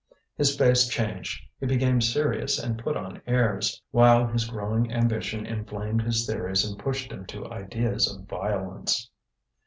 His face changed: he became serious and put on airs, while his growing ambition inflamed his theories and pushed him to ideas of violence.